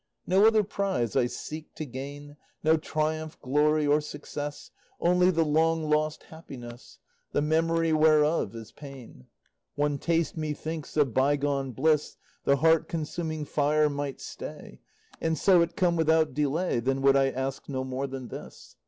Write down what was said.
No other prize I seek to gain, No triumph, glory, or success, Only the long lost happiness, The memory whereof is pain. One taste, methinks, of bygone bliss The heart consuming fire might stay; And, so it come without delay, Then would I ask no more than this.